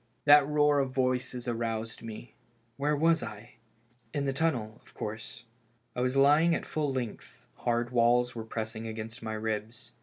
That roar of voices aroused me. Where was I ? In the tunnel, of course. I was lying at full length, hard walls were pressing against my ribs.